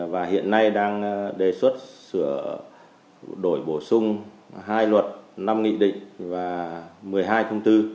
và hiện nay đang đề xuất sửa đổi bổ sung hai luật năm nghị định và một mươi hai thông tư